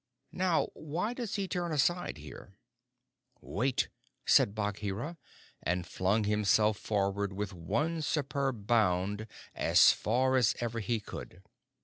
"Now why does he turn aside here?" "Wait!" said Bagheera, and flung himself forward with one superb bound as far as ever he could.